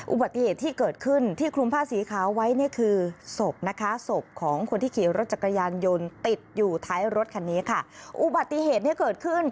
อุบัติเหตุที่เกิดขึ้นที่คลุมผ้าสีขาวไว้เนี่ยคือ